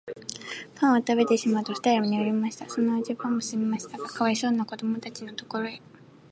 パンをたべてしまうと、ふたりは眠りました。そのうちに晩もすぎましたが、かわいそうなこどもたちのところへ、